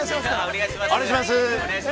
お願いします。